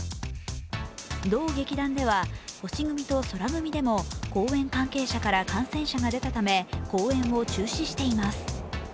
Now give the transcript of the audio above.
同劇団では星組と宙組でも公演関係者から感染者が出たため、公演を中止しています。